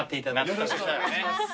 よろしくお願いします。